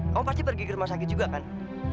kamu pasti pergi ke rumah sakit juga kan